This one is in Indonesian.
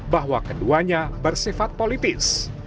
bahwa keduanya bersifat politis